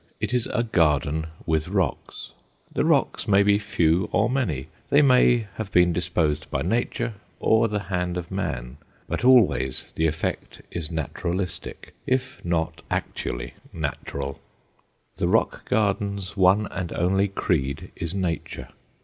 It is a garden with rocks. The rocks may be few or many, they may have been disposed by nature or the hand of man; but always the effect is naturalistic, if not actually natural. The rock garden's one and only creed is nature.